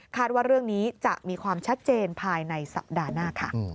ว่าเรื่องนี้จะมีความชัดเจนภายในสัปดาห์หน้าค่ะ